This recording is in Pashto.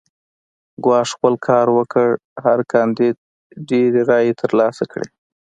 ګواښ خپل کار وکړ هر کاندید ډېرې رایې ترلاسه کړې.